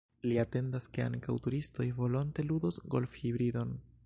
Li atendas, ke ankaŭ turistoj volonte ludos golfhibridon.